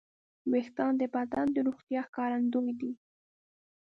وېښتيان د بدن د روغتیا ښکارندوی دي.